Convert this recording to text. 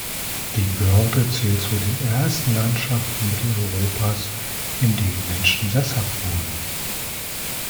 Die Börde zählt zu den ersten Landschaften Mitteleuropas, in denen Menschen sesshaft wurden.